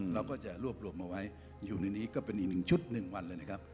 เราก็จะรวบรวมมาไว้อยู่ในนี้ก็เป็นอีกหนึ่งชุด๑วันเลยนะครับ